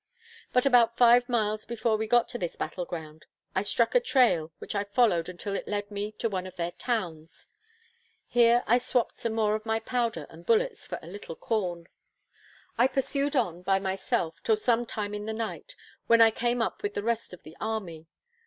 But about five miles before we got to this battle ground, I struck a trail, which I followed until it led me to one of their towns. Here I swap'd some more of my powder and bullets for a little corn. I pursued on, by myself, till some time after night, when I came up with the rest of the army.